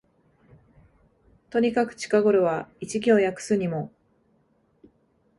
とにかく近頃は一行訳すにも、